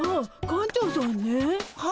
館長さん？